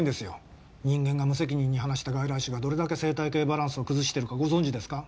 人間が無責任に放した外来種がどれだけ生態系バランスを崩してるかご存じですか？